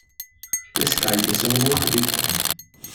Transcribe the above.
Le scaglie sono molto piccole.